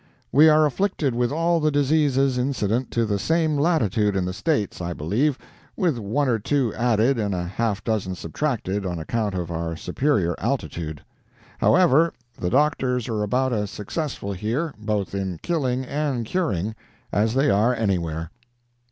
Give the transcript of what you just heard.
We are afflicted with all the diseases incident to the same latitude in the States, I believe, with one or two added and half a dozen subtracted on account of our superior altitude. However, the doctors are about as successful here, both in killing and curing, as they are anywhere.